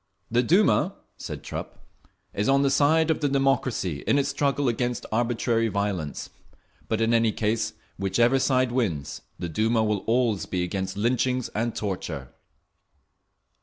"The Duma," said Trupp, "is on the side of the democracy in its struggle against arbitrary violence; but in any case, whichever side wins, the Duma will always be against lynchings and torture…."